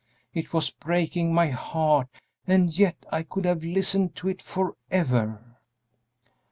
It was breaking my heart, and yet I could have listened to it forever!"